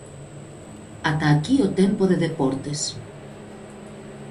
Ata aquí o tempo de deportes.